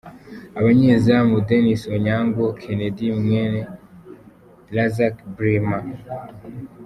Abanyezamu: Denis Onyango, Kennedy Mweene, Razak Brimah.